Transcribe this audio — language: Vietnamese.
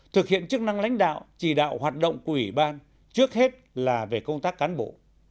thực hiện chức năng lãnh đạo chỉ đạo hoạt động của ủy ban trước hết là về công tác cán bộ